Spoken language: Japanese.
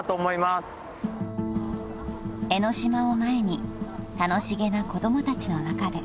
［江の島を前に楽しげな子供たちの中で］